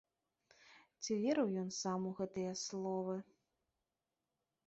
Ці верыў ён сам у гэтыя словы.